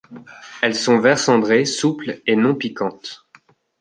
Elles sont vert cendré, souples et non piquantes.